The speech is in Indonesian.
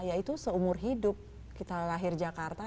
yaitu seumur hidup kita lahir jakarta